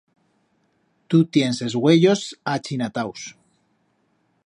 Tu tiens es uellos achinataus.